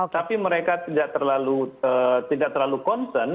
tapi mereka tidak terlalu concern